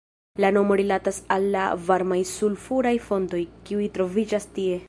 La nomo rilatas al la varmaj sulfuraj fontoj, kiuj troviĝas tie.